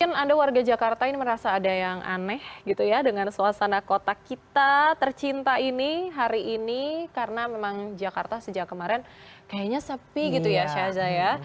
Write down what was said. mungkin anda warga jakarta ini merasa ada yang aneh gitu ya dengan suasana kota kita tercinta ini hari ini karena memang jakarta sejak kemarin kayaknya sepi gitu ya syaza ya